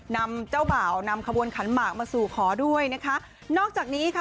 นำเจ้าบ่าวนำขบวนขันหมากมาสู่ขอด้วยนะคะนอกจากนี้ค่ะ